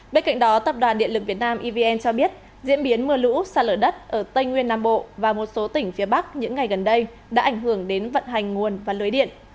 bên cạnh đó tập đoàn điện lực việt nam evn cho biết diễn biến mưa lũ sạt lở đất ở tây nguyên nam bộ và một số tỉnh phía bắc những ngày gần đây đã ảnh hưởng đến vận hành nguồn và lưới điện